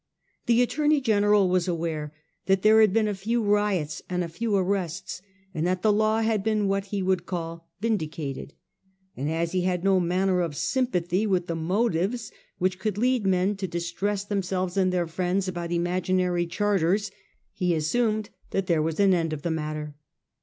The Attorney General was aware that there had been a few riots and a few arrests, and that the law had been what he would call vindicated ; and as he had no manner of sympathy with the motives which could lead men to distress themselves and their friends about imaginary charters, he assumed that there was an end of the matter.